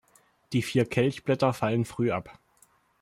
Die vier Kelchblätter fallen früh ab.